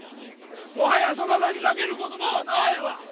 もはやそなたにかける言葉はないわ。